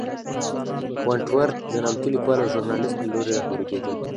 ونټ ورت د نامتو لیکوال او ژورنالېست له لوري رهبري کېدل.